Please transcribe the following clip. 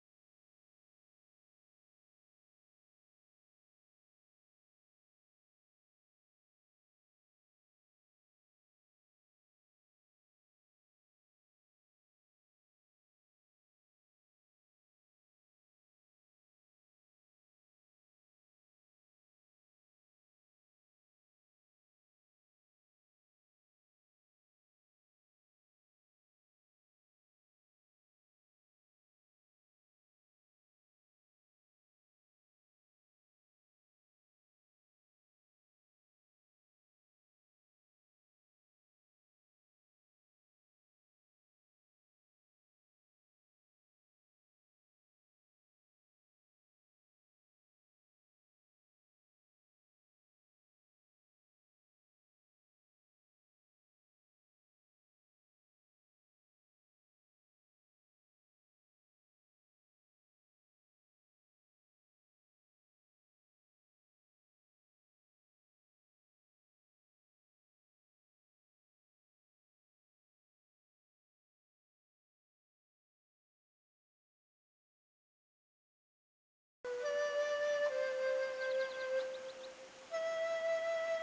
kenapa aku alih alih kenapa aku buruk seperti ini